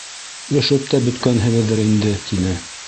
Өшөп тә бөткәнһегеҙҙер инде, — тине.